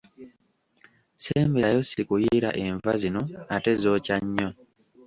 Ssemberayo sikuyiira enva zino ate zookya nnyo.